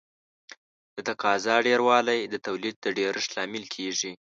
د تقاضا ډېروالی د تولید د ډېرښت لامل کیږي.